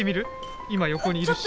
今横にいるし。